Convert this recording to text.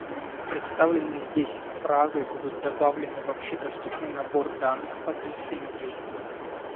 Представленные здесь фразы будут добавлены в общедоступный набор данных под лицензией